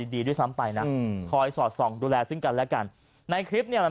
ดีด้วยซ้ำไปนะอืมคอยสอดส่องดูแลซึ่งกันและกันในคลิปเนี่ยมัน